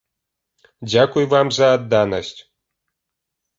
Дзякуй вам за адданасць!